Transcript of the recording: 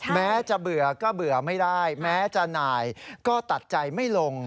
แม้จะเบื่อก็เบื่อไม่ได้แม้จะหน่ายก็ตัดใจไม่ลง